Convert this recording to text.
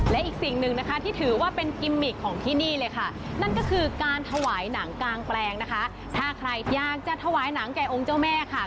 และอีกสิ่งหนึ่งนะคะที่ถือว่าเป็นกิมมิกของที่นี่เลยค่ะนั่นก็คือการถวายหนังกางแปลงนะคะถ้าใครอยากจะถวายหนังแก่องค์เจ้าแม่ค่ะ